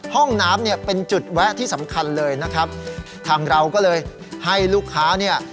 ห้องน้ำเนี่ยเป็นจุดแวะที่สำคัญเลยนะครับทางเราก็เลยให้ลูกค้าเนี่ย